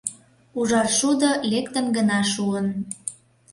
Ужар шудо лектын гына шуын.